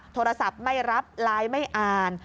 โทรศัพท์ไม่รับไลน์ไม่อ่าน